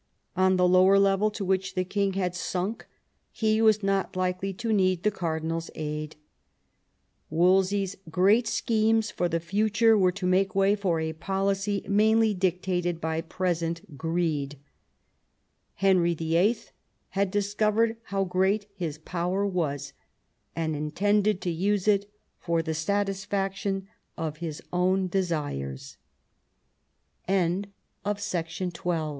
On the lower level to which the king had sunk he was not likely to need the cardinal's aid. Wolsey's great schemes for the future were to make way for a policy mainly dictated by present greed. Henry Vni. had discovered how great his power was, and intended to use it for the satisfaction of his own desires.